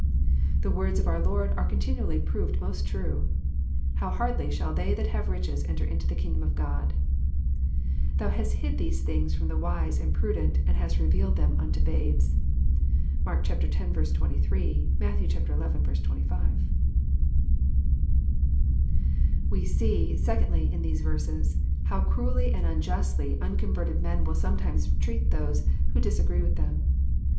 The words of our Lord are continually proved most true, " How hardly shall they that have riches enter into the kingdom of God." —^" Thou hast hid these things from the wise and prudent, and hast revealed them unto babes." (Mark x. 23 ; Matt. xi. 25.) ; We see, secondly, in these verses, how cruelly and unjustly l| jinconverted men wiU sometimes treat those who disagree with J khem.